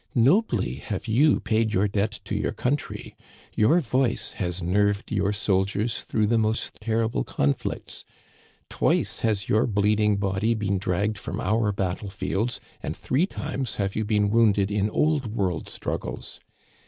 Nobly have you paid your debt to your country. Your voice has nerved your soldiers through the most terrible conflicts. Twice has your bleeding body been dragged from our battle fields, and three times have you been wounded in Old World struggles.